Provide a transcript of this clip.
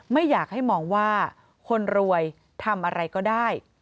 ไม่อยากให้มองว่าคนรวยทำอะไรก็ได้